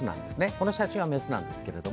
この写真はメスなんですけど。